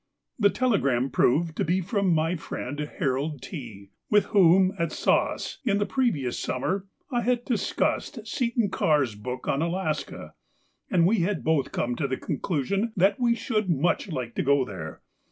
The telegram proved to be from my friend Harold T., with whom at Saas in the previous summer I had discussed Seton Karr's book on Alaska, and we had both come to the conclusion that we should much like to go there.